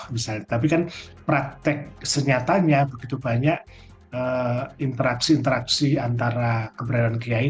misalnya tapi kan praktek senyatanya begitu banyak interaksi interaksi antara keberadaan kiai